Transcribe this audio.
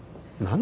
何？